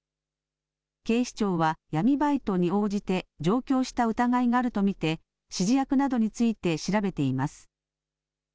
警視庁は闇バイトに応じて上京した疑いがあると見て指示役などについて調べています。